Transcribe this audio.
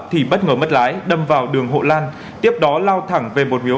thì tôi vẫn dạy này